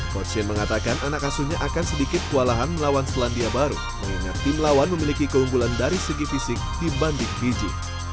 coach shin mengatakan anak asuhnya akan sedikit kewalahan melawan selandia baru mengingat tim lawan memiliki keunggulan dari segi fisik dibanding fiji